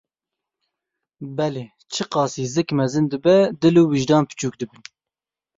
Belê, çi qasî zik mezin dibe, dil û wijdan biçûk dibin.